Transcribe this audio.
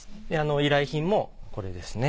依頼品もこれですね。